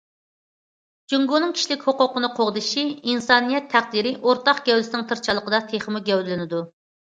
جۇڭگونىڭ كىشىلىك ھوقۇقنى قوغدىشى ئىنسانىيەت تەقدىرى ئورتاق گەۋدىسىنىڭ تىرىشچانلىقىدا تېخىمۇ گەۋدىلىنىدۇ.